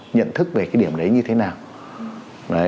nhận thức về cái điểm đấy như thế nào